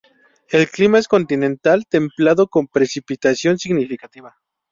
El clima es continental templado con precipitación significativa.